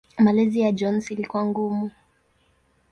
Malezi ya Jones ilikuwa ngumu.